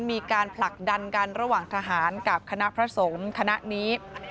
มีการผลักดันกันระหว่างทหารกับคณะพระสงฆ์คณะนี้